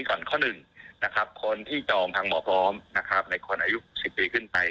ก็สามารถถือได้ในคนอายุ๖๐ปีขึ้นไป